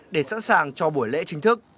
để sẵn sàng cho buổi lễ chính thức